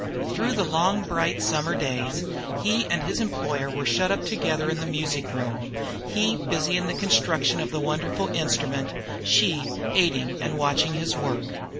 Through long bright summer days he and his employer were shut up together in the music room he busy in the construction of the wonderful instrument, she aiding and watching his work.